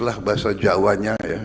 islah bahasa jawanya ya